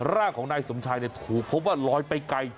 ร่างของนายสมชายถูกพบว่าลอยไปไกล